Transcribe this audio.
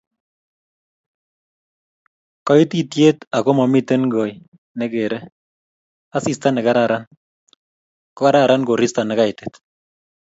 Koitityet ago mamiten guy negere, asista negararan ,kogararan koristo negaitit